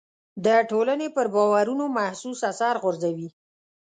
د ټولنې پر باورونو محسوس اثر غورځوي.